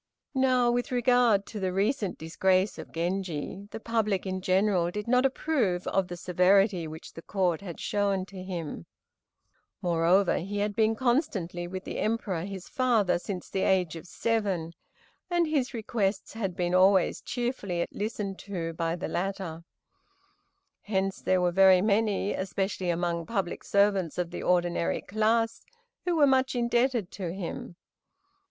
Now, with regard to the recent disgrace of Genji, the public in general did not approve of the severity which the Court had shown to him. Moreover, he had been constantly with the Emperor, his father, since the age of seven, and his requests had been always cheerfully listened to by the latter; hence there were very many, especially among public servants of the ordinary class, who were much indebted to him.